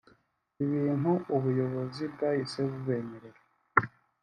ibintu ubuyobozi bwahise bubemerera